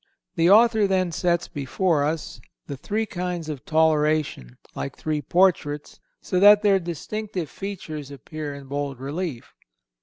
(311) The author then sets before us the three kinds of toleration, like three portraits, so that their distinctive features appear in bold relief.